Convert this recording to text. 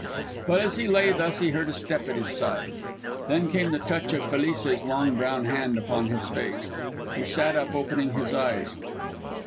But as he lay thus he heard a step at his side. Then came the touch of Felice's long brown hand upon his face. He sat up, opening his eyes.